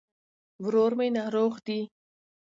ورور مي ناروغ دي